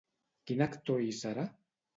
Quin actor hi serà?